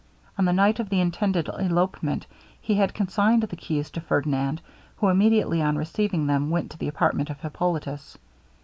On the night of the intended elopement, he had consigned the keys to Ferdinand, who, immediately on receiving them, went to the apartment of Hippolitus.